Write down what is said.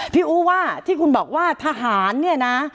อู๋ว่าที่คุณบอกว่าทหารเนี่ยนะ